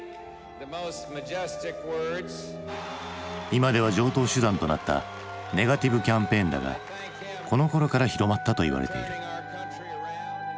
今では常とう手段となったネガティブ・キャンペーンだがこのころから広まったといわれている。